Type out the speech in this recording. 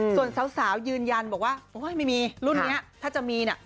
ส่วนสาวยืนยันบอกว่าโอ๊ยไม่มีรุ่นนี้ถ้าจะมีเนี่ย